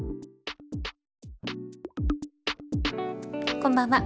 こんばんは。